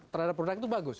terhadap produk itu bagus